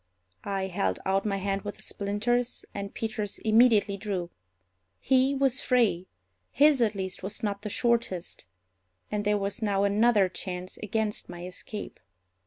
I held out my hand with the splinters, and Peters immediately drew. He was free—his, at least, was not the shortest; and there was now another chance against my escape.